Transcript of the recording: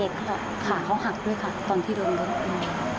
ขาเขาหักด้วยค่ะตอนที่โดนรถออกมา